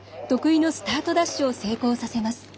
得意のスタートダッシュを成功させます。